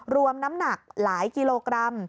รวมน้ำหนักหลายกิโลกรัม